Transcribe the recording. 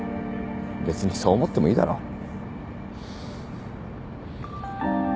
別にそう思ってもいいだろ？